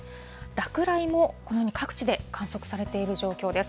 落雷もこのように、各地で観測されている状況です。